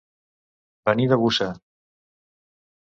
Venir de Busa.